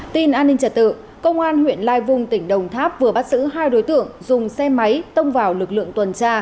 tin an ninh trả tự công an huyện lai vung tỉnh đồng tháp vừa bắt giữ hai đối tượng dùng xe máy tông vào lực lượng tuần tra